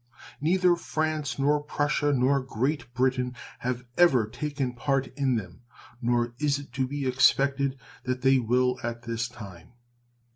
Neither France nor Prussia nor Great Britain has ever taken part in them, nor is it to be expected that they will at this time.